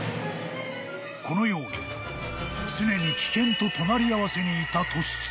［このように常に危険と隣り合わせにいた利常］